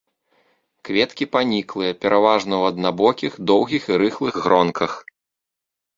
Кветкі паніклыя, пераважна ў аднабокіх доўгіх і рыхлых гронках.